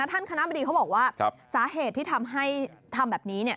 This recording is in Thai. ท่านคณะบดีเขาบอกว่าสาเหตุที่ทำให้ทำแบบนี้เนี่ย